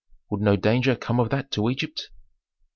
"Would no danger come of that to Egypt?"